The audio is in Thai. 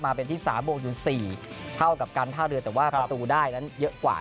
เป็นที่๓บวกอยู่๔เท่ากับการท่าเรือแต่ว่าประตูได้นั้นเยอะกว่า